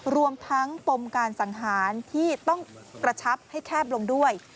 รวมทั้งปมการสังหารที่ต้องกระชับให้แคบลงด้วย